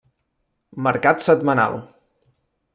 Mercat setmanal.